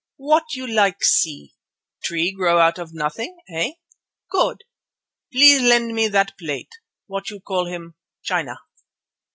What you like see? Tree grow out of nothing, eh? Good! Please lend me that plate—what you call him—china."